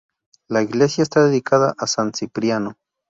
La iglesia está dedicada a san Cipriano.